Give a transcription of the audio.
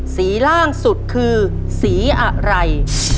ล่างสุดคือสีอะไร